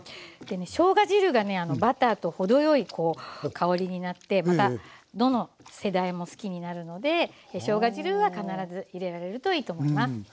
しょうが汁がねバターと程よい香りになってまたどの世代も好きになるのでしょうが汁は必ず入れられるといいと思います。